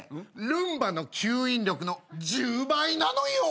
ルンバの吸引力の１０倍なのよ。